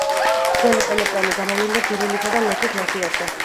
ძველი პენეპლენი გამოვლინდა ძირულისა და ლოქის მასივებზე.